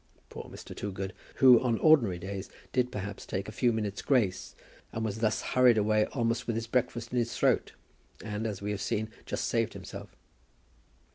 Poor Mr. Toogood, who on ordinary days did perhaps take a few minutes' grace, was thus hurried away almost with his breakfast in his throat, and, as we have seen, just saved himself.